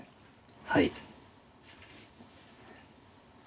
はい。